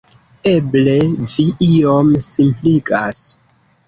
Eble vi iom simpligas.